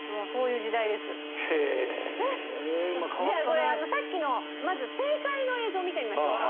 じゃあさっきのまず正解の映像見てみましょうか。